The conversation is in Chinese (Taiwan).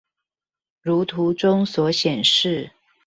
如圖中所顯示